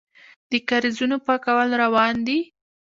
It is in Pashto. د کاریزونو پاکول روان دي؟